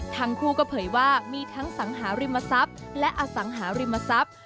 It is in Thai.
ทั้งคู่ก็เผยว่ามีทั้งสังหาริมทรัพย์และอสังหาริมทรัพย์